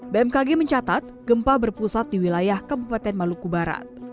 bmkg mencatat gempa berpusat di wilayah kabupaten maluku barat